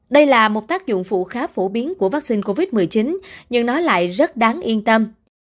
đây là một tác dụng phụ khá phổ biến của vaccine covid một mươi chín nhưng nó lại rất đáng yên tâm